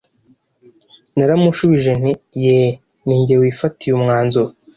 Naramushubije nti yee ni jye wifatiye umwanzuro